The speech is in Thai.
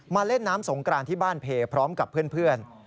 เล่นน้ำสงกรานที่บ้านเพพร้อมกับเพื่อน